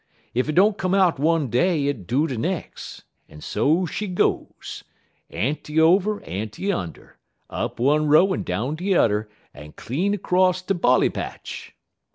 Ef it don't come out one day it do de nex', en so she goes Ant'ny over, Ant'ny under up one row en down de udder, en clean acrosst de bolly patch!"